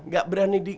gak berani di